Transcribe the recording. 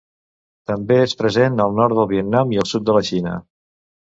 També és present al nord del Vietnam i al sud de la Xina.